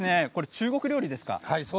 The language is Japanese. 中国料理ですか？